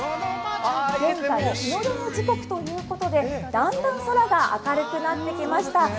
現在、日の出の時刻ということで、だんだん空が明るくなってきました。